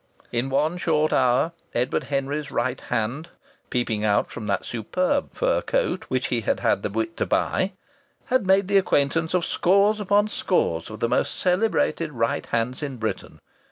In one short hour Edward Henry's right hand (peeping out from that superb fur coat which he had had the wit to buy) had made the acquaintance of scores upon scores of the most celebrated right hands in Britain.